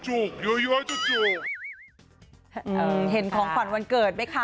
อือเห็นของขวัญวันเกิด